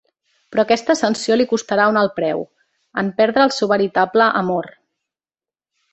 Però aquesta ascensió li costarà un alt preu, en perdre al seu veritable amor.